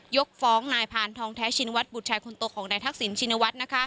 ยกฟ้องนายพานทองแท้ชินวัฒบุตรชายคนโตของนายทักษิณชินวัฒน์